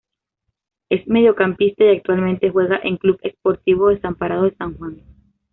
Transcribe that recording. Es mediocampista y actualmente juega en Club Sportivo Desamparados de San Juan.